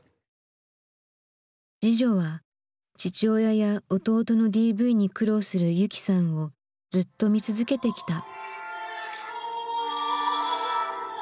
次女は父親や弟のＤＶに苦労する雪さんをずっと見続けてきた。